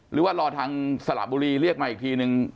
หรือว่ารอทางสระบุรีเรียกมาอีกทีนึง